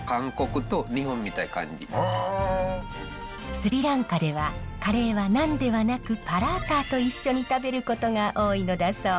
スリランカではカレーはナンではなくパラーターと一緒に食べることが多いのだそう。